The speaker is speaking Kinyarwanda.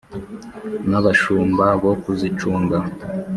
n' abashumba bo kuzicunga